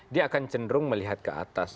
dia akan cenderung melihat ke atas